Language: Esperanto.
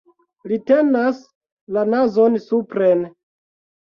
Li tenas la nazon supren.